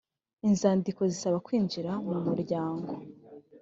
inzandiko zisaba kwinjira m umuryango